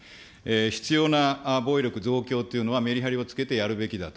必要な防衛力増強というのは、メリハリをつけてやるべきだと。